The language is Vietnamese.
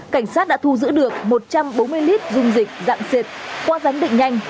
cảnh sát đã thu giữ được một trăm bốn mươi lít dung dịch dạng xịt qua ránh định nhanh